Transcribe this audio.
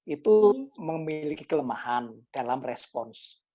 itu memiliki kelemahan dalam respons